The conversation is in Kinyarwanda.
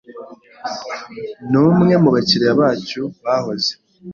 numwe mubakiriya bacu bahoze.